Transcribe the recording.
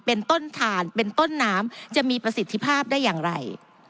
เป็นต้นทานเป็นต้นน้ำจะมีประสิทธิภาพได้อย่างไร